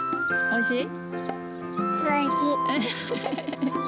おいしい。